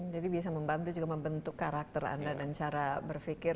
jadi bisa membantu juga membentuk karakter anda dan cara berpikir